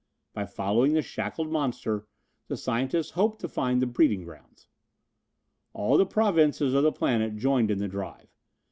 By following the shackled monster the scientists hoped to find the breeding grounds. All the provinces of the planet joined in the drive.